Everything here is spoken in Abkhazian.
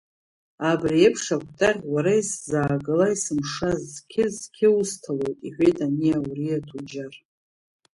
Абри еиԥш акәтаӷь уара исзаагала ессымша зқьы, зқьы усҭалоит, — иҳәеит ани ауриа ҭуџьар.